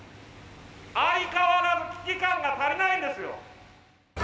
相変わらず危機感が足りないんですよ。